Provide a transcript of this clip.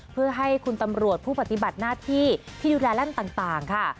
เพื่อให้คุณตำรวจผู้ปฏิบัติหน้าที่ที่ดูแลแร่มต่างค่ะ